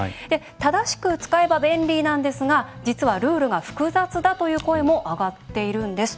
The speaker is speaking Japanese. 正しく使えば便利なんですが実はルールが複雑だという声も上がっているんです。